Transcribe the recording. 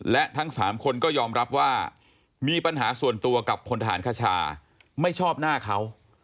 และทั้ง๓คนก็ยอมรับว่ามีปัญหาส่วนตัวกับพลทหารคชาไม่ชอบหน้าเขา